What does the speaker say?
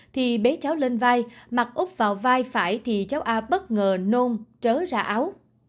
thì bé cháu lên vai mặt úp vào vai phải thì cháu a bất ngờ nôn trớ ra áo